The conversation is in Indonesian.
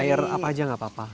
bayar apa aja gak apa apa